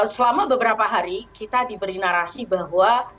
selama beberapa hari kita diberi narasi bahwa